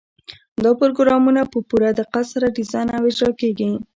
دا پروګرامونه په پوره دقت سره ډیزاین او اجرا کیږي.